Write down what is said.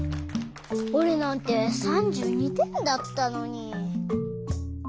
おれなんて３２てんだったのに。